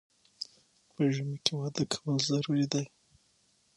په ژمي کې واده کول ضروري دي